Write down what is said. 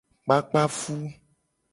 Kpakpa fu.